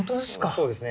そうですね